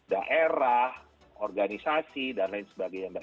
daerah organisasi dan lain sebagainya